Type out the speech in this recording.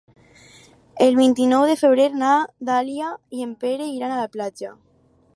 El vint-i-nou de febrer na Dàlia i en Pere iran a la platja.